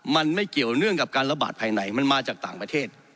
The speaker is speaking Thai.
มันไม่เกี่ยวเนื่องกับการระบาดภายในมันมาจากต่างประเทศ